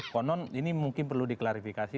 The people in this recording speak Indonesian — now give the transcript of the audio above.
konon ini mungkin perlu diklarifikasi